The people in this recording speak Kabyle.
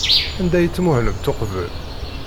Anda ay tmuhlemt uqbel?